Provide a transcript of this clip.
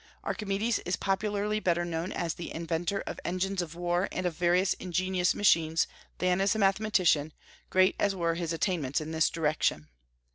Archimedes is popularly better known as the inventor of engines of war and of various ingenious machines than as a mathematician, great as were his attainments in this direction.